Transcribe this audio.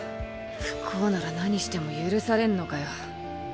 不幸なら何しても許されんのかよ。